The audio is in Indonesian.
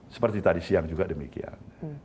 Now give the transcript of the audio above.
seperti tadi siang juga demikian